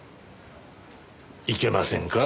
いけませんか？